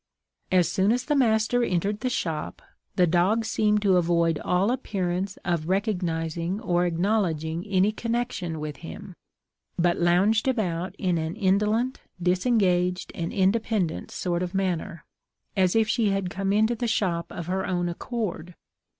As soon as the master entered the shop, the dog seemed to avoid all appearance of recognizing or acknowledging any connexion with him, but lounged about in an indolent, disengaged, and independent sort of manner, as if she had come into the shop of her own accord.